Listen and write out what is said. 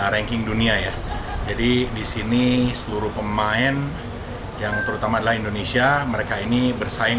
ranking dunia ya jadi disini seluruh pemain yang terutama adalah indonesia mereka ini bersaing